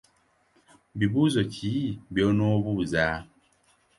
Bibuuzo ki by’onoobuuza?